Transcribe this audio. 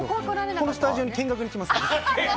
このスタジオに見学は来ます。